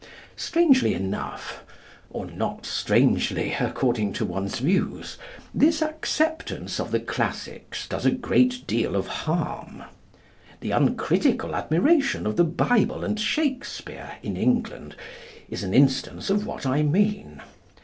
Strangely enough, or not strangely, according to one's own views, this acceptance of the classics does a great deal of harm. The uncritical admiration of the Bible and Shakespeare in England is an instance of what I mean.